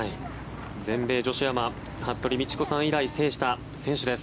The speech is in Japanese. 全米女子アマ服部道子さん以来制した選手。